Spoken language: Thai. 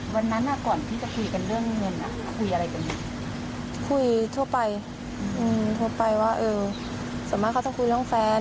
วันนั้นก่อนที่จะคุยกันเรื่องเงินคุยอะไรกันอยู่คุยทั่วไปทั่วไปว่าเออส่วนมากเขาจะคุยเรื่องแฟน